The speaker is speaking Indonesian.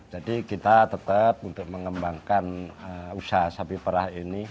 jadi kita tetap untuk mengembangkan usaha sapi perah ini